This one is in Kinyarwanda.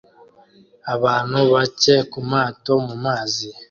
Abantu bake kumato mumazi